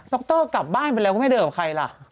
ดอกเตอร์กลับบ้านพั่นแย่ก็ไม่เดินกับใครล่ะ